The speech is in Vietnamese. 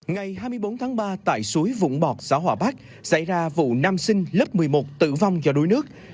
ngày hai mươi bốn tháng ba tại suối vũng bọt giáo hòa bắc xảy ra vụ nam sinh lớp một mươi một tử vong do đuối nước